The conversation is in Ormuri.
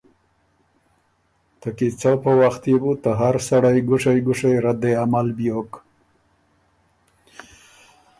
ته کیڅؤ په وخت يې بو ته هر سړئ ګُشئ ګُشئ رد عمل بیوک